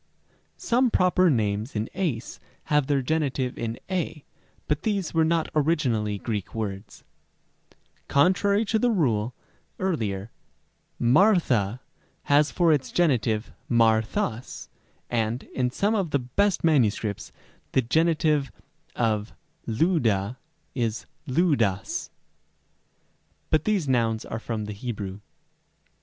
Some proper names in ys have their genitive in y, but these were not originally Greek words, Rem. d. Contrary to the rule (Rem. b) Μάρθα has for its genitive Μάρθας, and, in some of the best MSS., the genitive of Λύδδα is Λύδδας ; but these nouns are from the Hebrew.